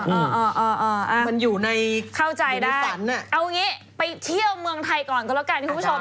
เอาเข้าใจได้เอาเป็นกทำงานเที่ยวเมืองไทยก่อนทีคุณผู้ชม